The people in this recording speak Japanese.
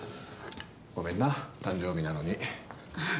ごめんな、誕生日なのに。